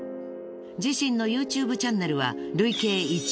自身のＹｏｕＴｕｂｅチャンネルは。